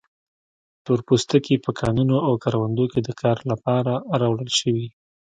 تور پوستکي په کانونو او کروندو کې د کار لپاره راوړل شوي.